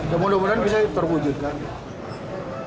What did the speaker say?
kemudian mudian bisa terwujudkan